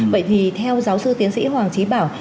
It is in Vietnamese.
vậy thì theo giáo sư tiến sĩ hoàng trí bảo